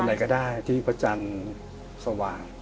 ไหนก็ได้ที่พระจันทร์สว่าง